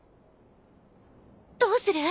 どうする？